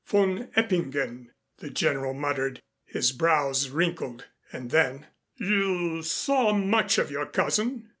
Von Eppingen " the General muttered, his brows wrinkled. And then, "You saw much of your cousin?"